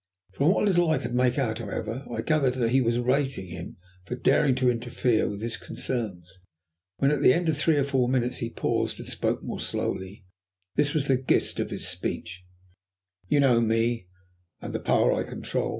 From what little I could make out, however, I gathered that he was rating him for daring to interfere with his concerns. When, at the end of three or four minutes, he paused and spoke more slowly, this was the gist of his speech "You know me and the power I control.